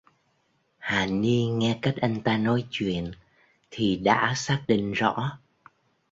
Hà Ni nghe cách anh ta nói chuyện thì đã xác định rõ